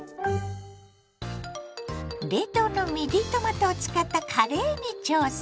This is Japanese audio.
冷凍のミディトマトを使ったカレーに挑戦。